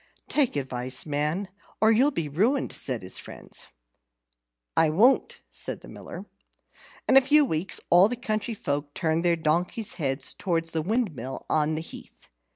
"Take advice, man, or you'll be ruined," said his friends. "I won't," said the Miller. In a few weeks all the country folk turned their donkeys' heads towards the windmill on the heath.